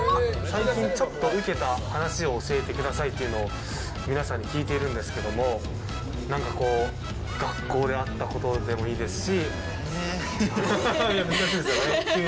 最近ウケた話を教えてくださいというのを皆さんに聞いているんですけども何か学校であったことでもいいですし。